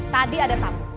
tadi ada tamu